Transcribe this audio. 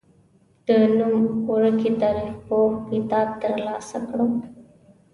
د نوم ورکي تاریخپوه کتاب تر لاسه کړم.